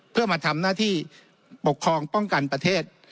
เพื่อมาทำหน้าที่ปกครองป้องกันประเทศ